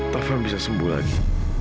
taufan bisa sembuh lagi